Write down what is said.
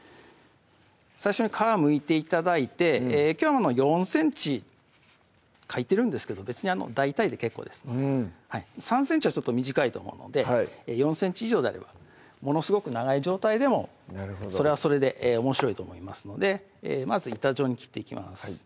最初に皮むいて頂いてきょうは４ｃｍ書いてるんですけど別に大体で結構ですので３ｃｍはちょっと短いと思うので４ｃｍ以上であればものすごく長い状態でもそれはそれでおもしろいと思いますのでまず板状に切っていきます